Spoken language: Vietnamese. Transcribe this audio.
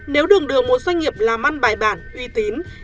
nếu đường được một doanh nghiệp làm ăn bài bản uy tín